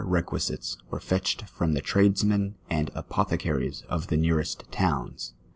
requisite's were fetched from the tra(l(><;inen aiul apotheearies of the nearest towns.